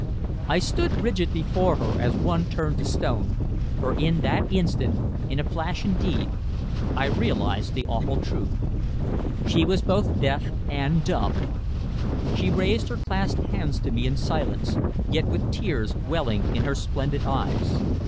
I stood rigid before her as one turned to stone, for in that instant, in a flash indeed, I realized the awful truth. She was both deaf and dumb! She raised her clasped hands to me in silence, yet with tears welling in her splendid eyes.